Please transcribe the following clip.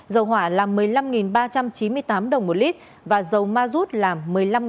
dầu hỏa là một mươi năm ba trăm chín mươi tám đồng một lít và dầu ma rút là một mươi năm đồng